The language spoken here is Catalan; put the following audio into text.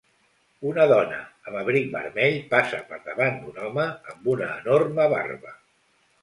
Una dona amb abric vermell passa per davant d'un home amb una enorme barba.